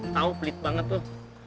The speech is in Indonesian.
tahu pelit banget tuh